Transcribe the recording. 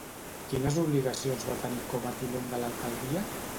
Quines obligacions va tenir com a tinent de l'alcaldia?